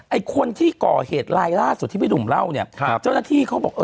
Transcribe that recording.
ไอ้คนที่ก่อเหตุลายล่าสุดที่พี่หนุ่มเล่าเนี่ยครับเจ้าหน้าที่เขาบอกเออ